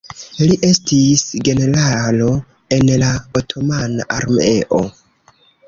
Li estis generalo en la Otomana Armeo.